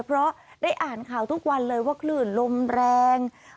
เพราะได้อ่านข่าวทุกวันเลยว่าคลื่นลมแรง